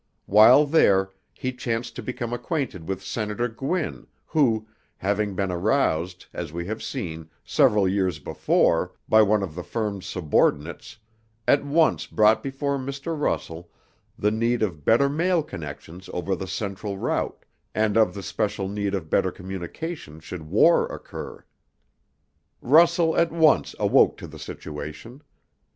While there he chanced to become acquainted with Senator Gwin who, having been aroused, as we have seen, several years before, by one of the firm's subordinates, at once brought before Mr. Russell the need of better mail connections over the Central route, and of the especial need of better communication should war occur. Russell at once awoke to the situation.